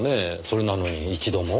それなのに一度も？